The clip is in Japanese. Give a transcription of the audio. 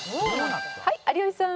「はい有吉さん」